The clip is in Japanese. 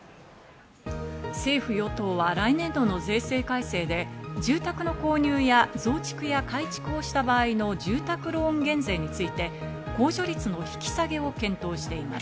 政府・与党は来年度の税制改正で住宅の購入や増築や改築をした場合の住宅ローン減税について、控除率の引き下げを検討しています。